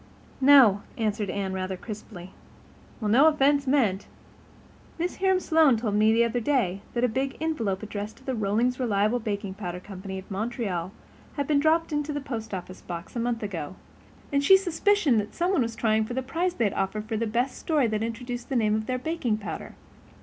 "No," answered Anne, rather crisply. "Well, no offense meant. Mrs. Hiram Sloane told me the other day that a big envelope addressed to the Rollings Reliable Baking Powder Company of Montreal had been dropped into the post office box a month ago, and she suspicioned that somebody was trying for the prize they'd offered for the best story that introduced the name of their baking powder.